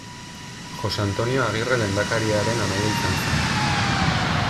Jose Antonio Agirre lehendakariaren anaia izan zen.